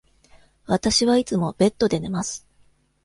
わたしはいつもベッドで寝ます。